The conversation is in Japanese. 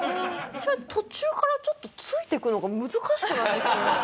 途中からちょっとついていくのが難しくなってきて。